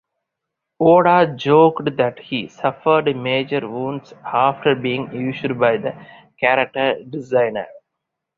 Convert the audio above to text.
Oda joked that he suffered major wounds after being used by the character designer.